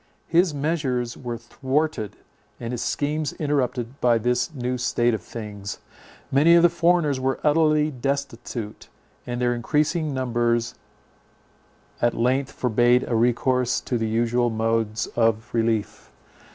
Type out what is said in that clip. His measures were thwarted, and his schemes interrupted by this new state of things. Many of the foreigners were utterly destitute; and their increasing numbers at length forbade a recourse to the usual modes of relief.